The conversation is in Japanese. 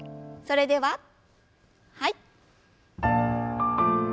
それでははい。